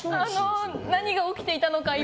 何が起きていたのか今。